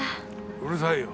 うるさいよ。